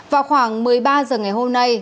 vào khoảng một mươi ba giờ ngày hôm nay